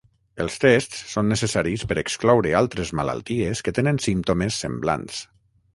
Els tests són necessaris per excloure altres malalties que tenen símptomes semblants.